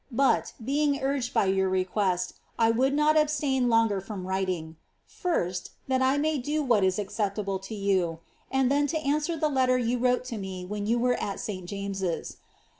But, being urged by your request, I Would not abstain longer from writing — first, that I may do what is acceptable to ycu, and then to answer tlio letter you wrote to me when yon were at Sl James fl.